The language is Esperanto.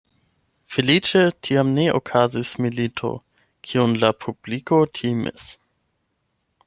Feliĉe tiam ne okazis milito, kiun la publiko timis.